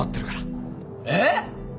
えっ！